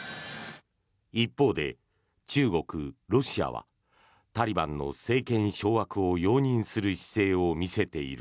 一方で中国、ロシアはタリバンの政権掌握を容認する姿勢を見せている。